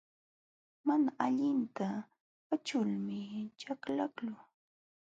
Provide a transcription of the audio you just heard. Mana allinta kaćhulmi chaklaqluu.